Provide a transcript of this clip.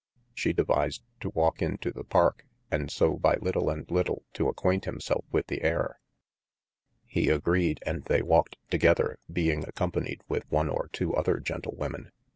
She devised to walke into the parke, and so by litle and litle to acquaint himself with the ayre : he agreed, and they walked togeather being accompanied with one or two other gentlewomen.